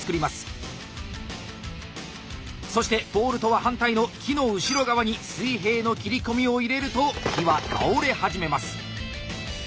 そしてポールとは反対の木の後ろ側に水平の切り込みを入れると木は倒れ始めます。